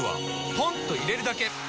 ポンと入れるだけ！